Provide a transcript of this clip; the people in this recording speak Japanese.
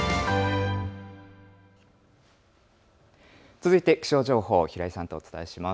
続いて気象情報、平井さんとお伝えします。